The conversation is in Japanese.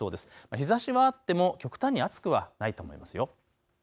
日ざしはあっても極端に暑くはないと思います。